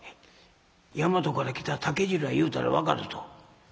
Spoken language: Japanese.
「『大和から来た竹次郎や』言うたら分かると」。